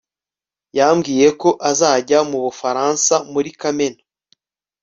Yambwiye ko azajya mu Bufaransa muri Kamena